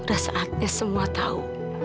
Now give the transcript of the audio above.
udah saatnya semua tahu